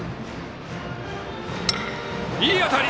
いい当たり！